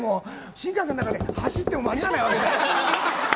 新幹線の中で走っても間に合わないわけ。